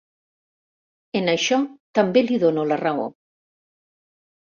En això també li dono la raó.